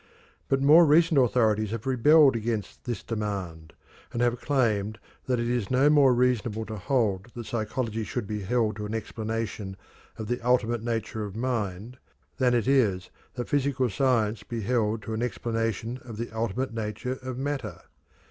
But more recent authorities have rebelled against this demand, and have claimed that it is no more reasonable to hold that psychology should be held to an explanation of the ultimate nature of mind than it is that physical science be held to an explanation of the ultimate nature of matter.